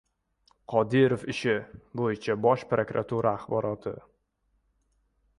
«Qodirov ishi» bo‘yicha Bosh prokuratura axboroti